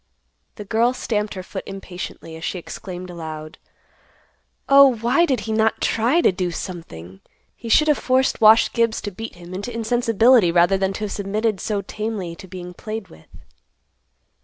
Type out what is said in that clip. The girl stamped her foot impatiently, as she exclaimed aloud, "Oh, why did he not try to do something? He should have forced Wash Gibbs to beat him into insensibility rather than to have submitted so tamely to being played with."